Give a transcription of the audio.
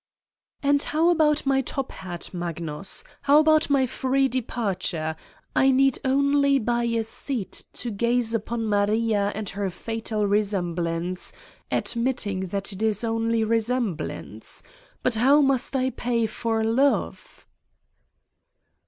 ..." "And how about my top hat, Magnus? about my free departure! I need only buy a seal to gaze upon Maria and her fatal resemblance admitting that it is only resemblance! but how must I pay for love?"